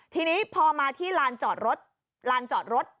ทีนี้พอมาที่ลานจอดรถลานจอดรถ